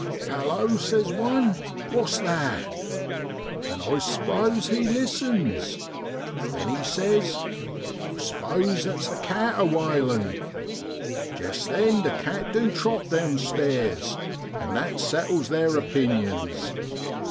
6 < Hallo !' says one, ' wha's that ?' and I suppose he listens. Then he says, 4 1 s'pose it's the cat awailin'.' Jest then the cat du trot downstairs, and that settles theer opinions.